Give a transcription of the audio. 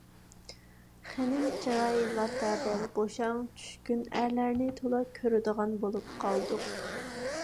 خېنىم چىراي، لاتا بەل، بوشاڭ، چۈشكۈن ئەرلەرنى تولا كۆرىدىغان بولۇپ قالدۇق.